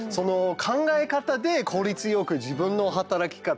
考え方で効率よく自分の働き方